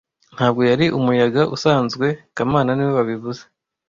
Ntabwo yari umuyaga usanzwe kamana niwe wabivuze